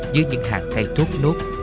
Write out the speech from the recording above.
dưới những hạt thay thuốc nốt